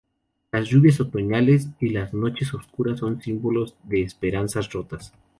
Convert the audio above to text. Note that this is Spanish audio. Las lluvias otoñales y las noches oscuras son símbolos de esperanzas rotas.